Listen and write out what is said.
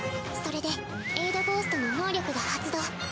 それでエイドゴーストの能力が発動。